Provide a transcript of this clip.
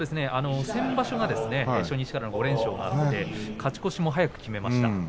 先場所が初日から５連勝があって勝ち越しも早く、決めました。